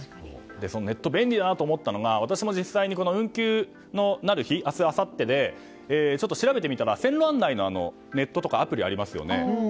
ネットが便利だなと思ったのが運休になる日、明日とあさって調べてみたら、線路案内のネットとかありますよね。